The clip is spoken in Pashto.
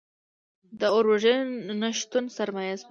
د اور وژنې نشتون سرمایه سوځوي.